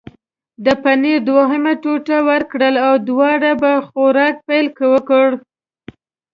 د پنیر دوهمه ټوټه ورکړل او دواړو په خوراک پیل وکړ.